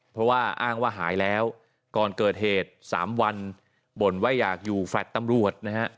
เพราะว่าอ้างว่าหายแล้วก่อนเกิดเหตุ๓วันบ่นว่าอยากอยู่แฟลต์ตำรวจนะฮะ